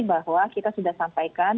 bahwa kita sudah sampaikan